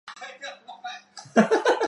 糙臭草为禾本科臭草属下的一个种。